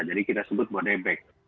jadi kita sebut monebek